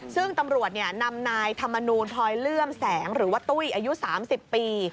ซึ่งตำรวจนำนายธรรมนูลพลอยเลื่อมแสงหรือว่าตุ้ยอายุ๓๐ปี